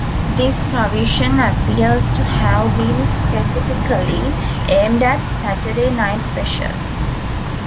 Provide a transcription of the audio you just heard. This provision appears to have been specifically aimed at "Saturday night specials".